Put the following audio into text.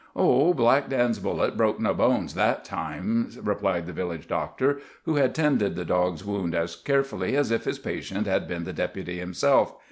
"Oh, Black Dan's bullet broke no bones that time," replied the village doctor, who had tended the dog's wound as carefully as if his patient had been the Deputy himself.